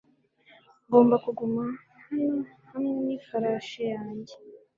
ngomba kuguma hano hamwe n'ifarashi yanjye